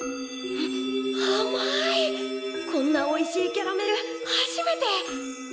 こんなおいしいキャラメル初めて！